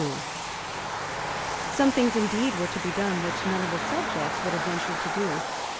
Some things indeed were to be done which none of his subjects would have ventured to do.